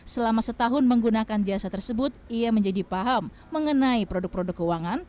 selama setahun menggunakan jasa tersebut ia menjadi paham mengenai produk produk keuangan